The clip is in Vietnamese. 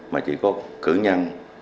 mà chỉ có cử nhân